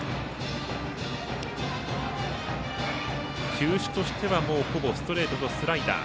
球種としてはほぼストレートとスライダー。